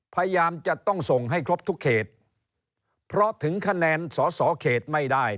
พยายามจะต้องส่งให้ครบทุกเขตเพราะถึงคะแนนสอสอเขตไม่ได้